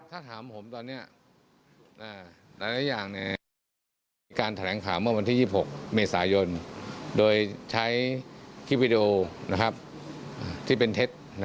พี่บอกว่าเขามีการตัดต่อหรือว่าดักแปลงที่พวกนี้ค่ะ